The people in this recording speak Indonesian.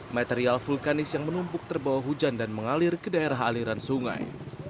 material vulkanis yang menumpuk terbawa hujan dan mengalir ke daerah aliran sungai